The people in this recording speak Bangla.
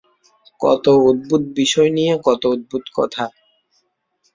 কত অদ্ভুত বিষয় নিয়ে কত অদ্ভুত কথা!